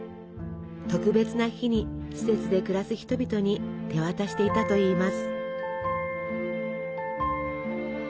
特別な日に施設で暮らす人々に手渡していたといいます。